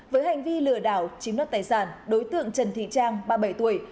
với hành vi lừa đảo chiếm đoạt tài sản đối tượng trần thị trang ba mươi bảy tuổi